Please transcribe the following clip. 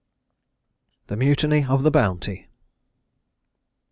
THE MUTINY OF THE BOUNTY.